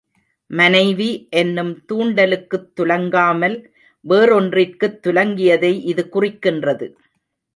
மனைவி என்னும் தூண்டலுக்குத் துலங்காமல், வேறொன்றிற்குத் துலங்கியதை இது குறிக் கின்றது.